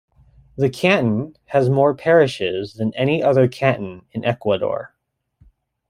The canton has more parishes than any other canton in Ecuador.